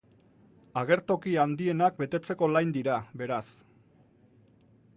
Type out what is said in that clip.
Agertoki handienak betetzeko lain dira, beraz.